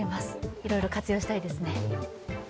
いろいろ活用したいですね。